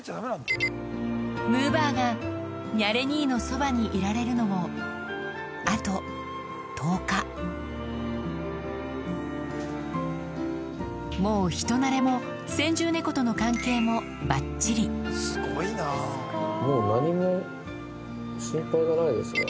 むぅばあがニャレ兄のそばにいられるのもあと１０日もう人なれも先住猫との関係もばっちりもう何も心配いらないですね。